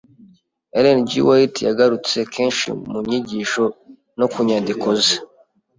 Ellen G. White yagarutse kenshi mu nyigisho no mu nyandiko ze,